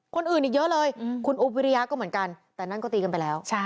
คนอื่นอีกเยอะเลยคุณอุ๊บวิริยะก็เหมือนกันแต่นั่นก็ตีกันไปแล้ว